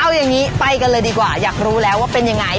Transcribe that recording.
เอาอย่างนี้ไปกันเลยดีกว่าอยากรู้แล้วว่าเป็นยังไง